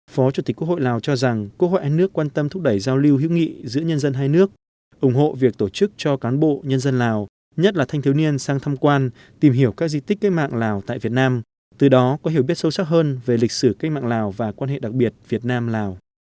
phó chủ tịch quốc hội lào cho rằng quốc hội hai nước quan tâm thúc đẩy giao lưu hữu nghị giữa nhân dân hai nước ủng hộ việc tổ chức cho cán bộ nhân dân lào nhất là thanh thiếu niên sang thăm quan tìm hiểu các di tích cách mạng lào tại việt nam từ đó có hiểu biết sâu sắc hơn về lịch sử cách mạng lào và quan hệ đặc biệt việt nam lào